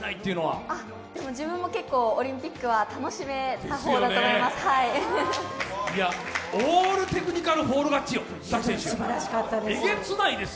自分も結構オリンピックは楽しめた方だと思います。